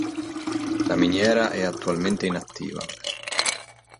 La miniera è attualmente inattiva.